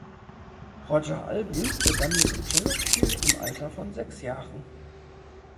Roger Albin begann mit dem Cellospiel im Alter von sechs Jahren.